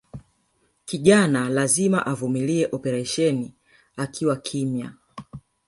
Kijana lazima avumilie operasheni akiwa kimya